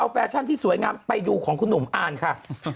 เอาเฟชชั่นที่สวยงามไปดูของคุณหงค์ก่อนอ่านค่ะ